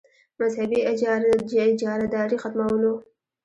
مذهبي اجاراداري ختمول وو.